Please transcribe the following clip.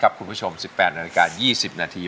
คุณผู้ชม๑๘นาฬิกา๒๐นาที